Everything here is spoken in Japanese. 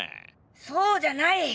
そうじゃないッ！